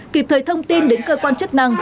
kịp thời thông tin đến cơ quan chức năng